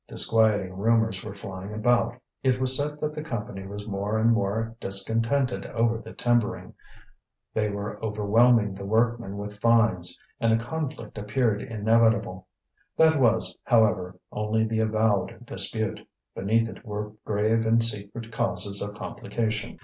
Disquieting rumours were flying about; it was said that the Company were more and more discontented over the timbering. They were overwhelming the workmen with fines, and a conflict appeared inevitable. That was, however, only the avowed dispute; beneath it there were grave and secret causes of complication.